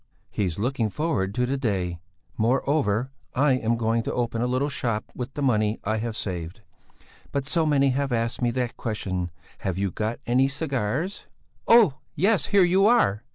"He's looking forward to the day; moreover, I am going to open a little shop with the money I have saved. But so many have asked me that question: 'Have you got any cigars?'" "Oh, yes; here you are!